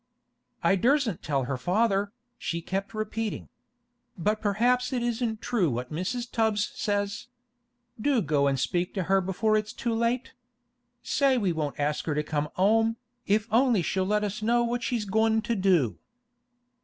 'I dursn't tell her' father,' she kept repeating. 'But perhaps it isn't true what Mrs. Tubbs says. Do go an' speak to her before it's too late. Say we won't ask her to come 'ome, if only she'll let us know what she's goin' to do.